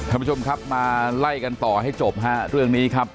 ท่านผู้ชมครับมาไล่กันต่อให้จบฮะเรื่องนี้ครับ